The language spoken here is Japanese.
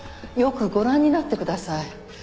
よくご覧になってください。